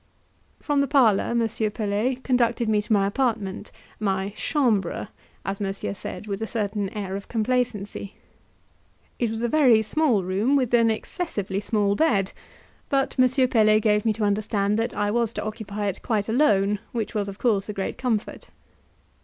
From the parlour M. Pelet conducted me to my apartment, my "chambre," as Monsieur said with a certain air of complacency. It was a very small room, with an excessively small bed, but M. Pelet gave me to understand that I was to occupy it quite alone, which was of course a great comfort.